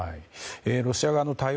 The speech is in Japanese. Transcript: ロシア側の対応